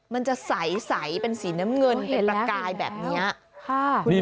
มันจะใสเป็นสีน้ำเงินเป็นประกายแบบนี้